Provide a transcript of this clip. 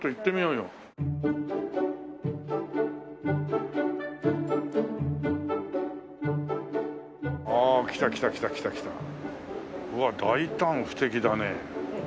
うわ大胆不敵だね。